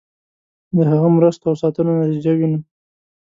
د هغه مرستو او ساتنو نتیجه وینو.